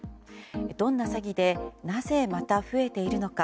どんな詐欺でなぜまた増えているのか。